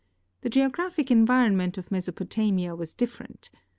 The geographic environment of Meso potamia was different.